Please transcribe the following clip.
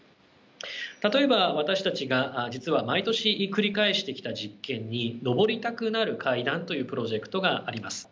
例えば私たちが実は毎年繰り返してきた実験に「上りたくなる階段」というプロジェクトがあります。